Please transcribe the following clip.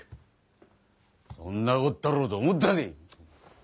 そんなこったろうと思ったぜ。